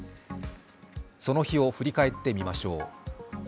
その日を振り返ってみましょう。